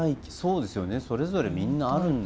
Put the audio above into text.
それぞれみんなあるんだものね。